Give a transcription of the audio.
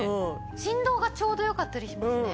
振動がちょうどよかったりしますね。